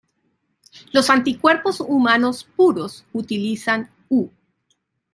Los anticuerpos humanos puros utilizan "-u-".